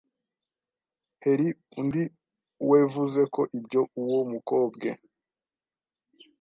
Heri undi wevuze ko ibyo uwo mukobwe